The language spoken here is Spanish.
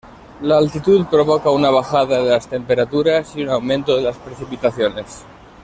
La altitud provoca una bajada de las temperaturas y un aumento de las precipitaciones.